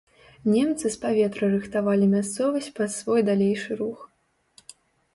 Немцы з паветра рыхтавалі мясцовасць пад свой далейшы рух.